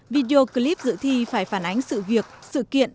video clip dự thi phải phản ánh sự việc sự kiện